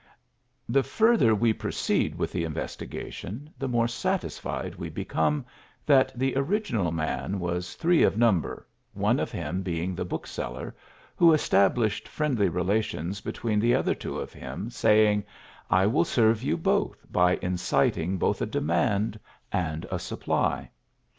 The further we proceed with the investigation the more satisfied we become that the original man was three of number, one of him being the bookseller, who established friendly relations between the other two of him, saying: "I will serve you both by inciting both a demand and a supply."